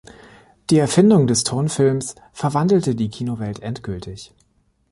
Die Erfindung des Tonfilms verwandelte die Kinowelt endgültig.